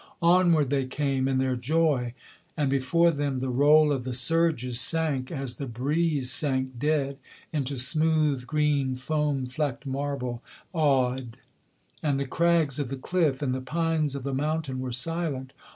Onward they came in their joy, and before them the roll of the surges Sank, as the breeze sank dead, into smooth green foam flecked marble, Awed; and the crags of the cliff, and the pines of the mountain were silent.